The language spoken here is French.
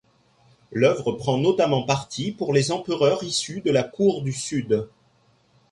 L'œuvre prend notamment parti pour les empereurs issus de la cour du Sud.